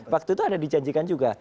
waktu itu ada dijanjikan juga